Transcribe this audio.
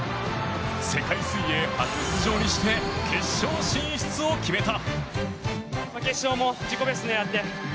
世界水泳初出場にして決勝進出を決めた。